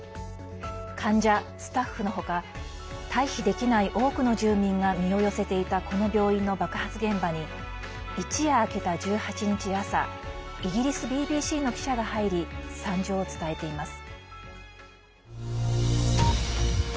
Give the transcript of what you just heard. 患者、スタッフの他退避できない多くの住民が身を寄せていた、この病院の爆発現場に一夜明けた１８日朝イギリスＢＢＣの記者が入り惨状を伝えています。